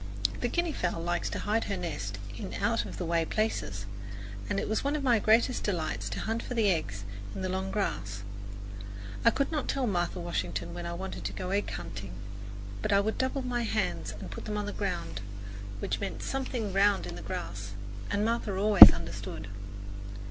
The guinea fowl likes to hide her nest in out of the way places, and it was one of my greatest delights to hunt for the eggs in the long grass. I could not tell Martha Washington when I wanted to go egg hunting, but I would double my hands and put them on the ground, which meant something round in the grass, and Martha always understood.